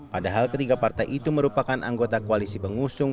padahal ketiga partai itu merupakan anggota koalisi pengusung